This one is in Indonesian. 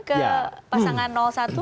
ke pasangan satu